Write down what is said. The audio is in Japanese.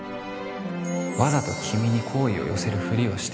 わざと君に好意をよせるフリをして